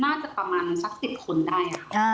น่าจะประมาณสัก๑๐คนได้ค่ะ